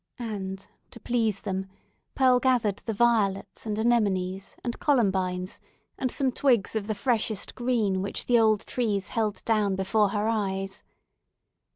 —and, to please them, Pearl gathered the violets, and anemones, and columbines, and some twigs of the freshest green, which the old trees held down before her eyes.